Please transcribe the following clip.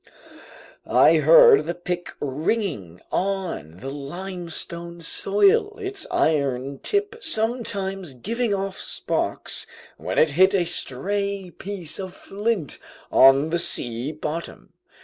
I heard the pick ringing on the limestone soil, its iron tip sometimes giving off sparks when it hit a stray piece of flint on the sea bottom.